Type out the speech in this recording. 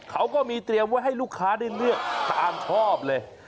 เขาก็มีเตรียมไว้ให้ลูกค้าได้เลือกตามชอบเลย